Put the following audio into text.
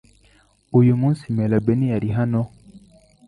Uyu munsi Melabe ntiyari hano?